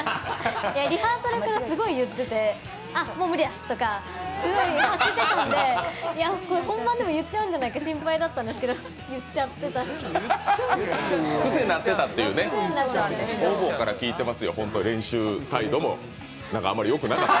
リハーサルからすごい言ってて、あ無理だとかすごい発してたんで、これ本番でも言っちゃうんじゃないかと心配だったんですけど方々から聞いてますよ、練習態度もよくなかった。